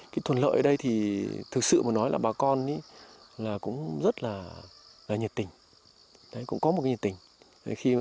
cái thuận lợi ở đây thì thực sự mà nói là bà con là cũng rất là nhiệt tình cũng có một cái nhiệt tình